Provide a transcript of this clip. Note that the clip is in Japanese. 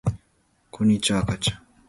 こんにちは、あかちゃん